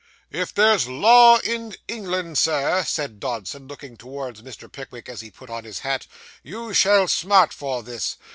'If there's law in England, sir,' said Dodson, looking towards Mr. Pickwick, as he put on his hat, 'you shall smart for this.